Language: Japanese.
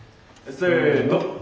せの。